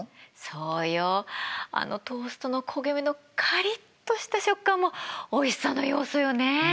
そうよあのトーストの焦げ目のカリッとした食感もおいしさの要素よね。